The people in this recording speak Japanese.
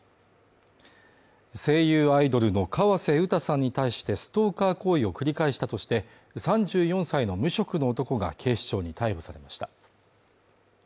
声優アイドルの河瀬詩さんに対してストーカー行為を繰り返したとして３４歳の無職の男が警視庁に逮捕されました。